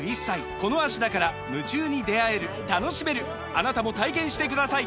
あなたも体験してください！